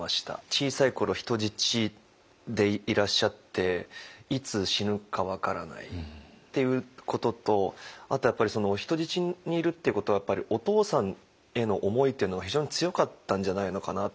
小さい頃人質でいらっしゃっていつ死ぬか分からないっていうこととあとやっぱり人質にいるっていうことはお父さんへの思いっていうのが非常に強かったんじゃないのかなと思っていて。